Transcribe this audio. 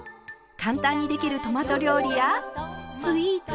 簡単にできるトマト料理やスイーツ。